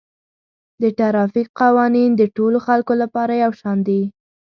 د ټرافیک قوانین د ټولو خلکو لپاره یو شان دي